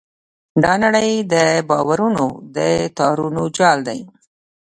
دا نړۍ د باورونو د تارونو جال دی.